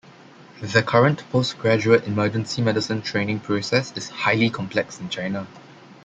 The current post-graduate Emergency Medicine training process is highly complex in China.